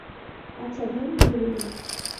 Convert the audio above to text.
আচ্ছা ভাই, ভুলিব।